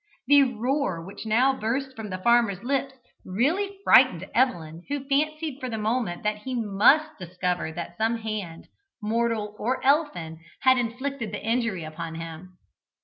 The roar which now burst from the farmer's lips really frightened Evelyn, who fancied for the moment that he must discover that some hand, mortal or elfin, had inflicted the injury upon him.